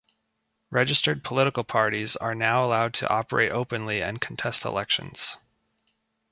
Registered political parties are now allowed to operate openly and contest elections.